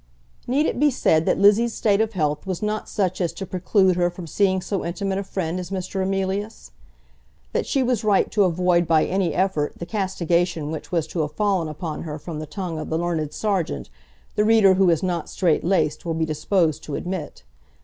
Need it be said that Lizzie's state of health was not such as to preclude her from seeing so intimate a friend as Mr. Emilius? That she was right to avoid by any effort the castigation which was to have fallen upon her from the tongue of the learned serjeant, the reader who is not straight laced will be disposed to admit.